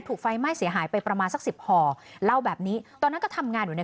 ถูกไฟไหม้เสียหายไปประมาณสักสิบห่อเล่าแบบนี้ตอนนั้นก็ทำงานอยู่ใน